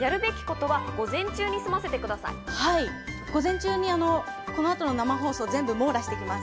午前中にこの後の生放送を網羅してきます。